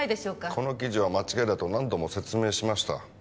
この記事は間違いだと何度も説明しました